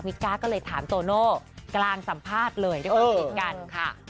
มิก้าก็เลยถามโตโน่กลางสัมภาษณ์เลยทุกคนมาเจอกันค่ะ